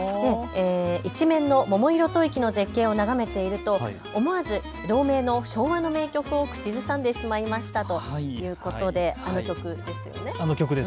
一面の桃色吐息の絶景を眺めていると思わず同名の昭和の名曲を口ずさんでしまいましたということであの曲ですよね。